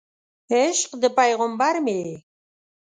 عشق د پیغمبر مې یې